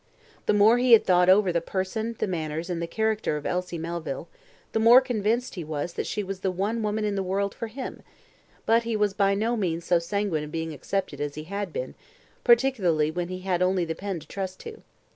The more he had thought over the person, the manners, and the character of Elsie Melville, the more convinced he was that she was the one woman in the world for him; but he was by no means so sanguine of being accepted as he had been, particularly when he had only the pen to trust to.